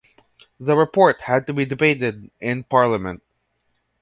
The report had to be debated in Parliament.